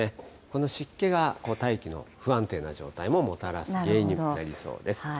この湿気が大気の不安定な状態ももたらす原因になりそうです。